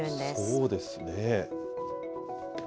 そうですね。